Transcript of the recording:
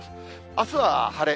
あすは晴れ。